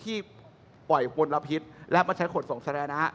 ที่ปล่อยฟวนละพฤษและมาใช้กฎส่งแสนนะ